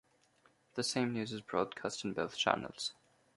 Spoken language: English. The same news is broadcast on both channels.